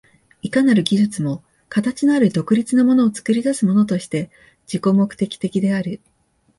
いかなる技術も形のある独立なものを作り出すものとして自己目的的である。